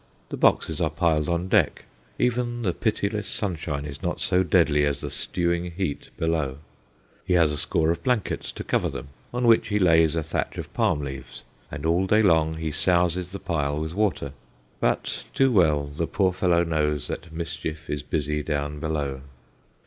The boxes are piled on deck; even the pitiless sunshine is not so deadly as the stewing heat below. He has a store of blankets to cover them, on which he lays a thatch of palm leaves, and all day long he souses the pile with water; but too well the poor fellow knows that mischief is busy down below.